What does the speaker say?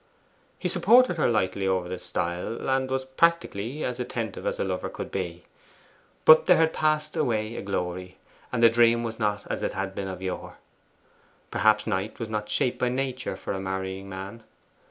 He supported her lightly over the stile, and was practically as attentive as a lover could be. But there had passed away a glory, and the dream was not as it had been of yore. Perhaps Knight was not shaped by Nature for a marrying man.